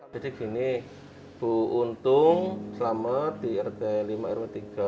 jadi gini bu untung selama di rd lima r dua puluh tiga